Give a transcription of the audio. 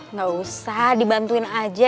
nggak usah dibantuin aja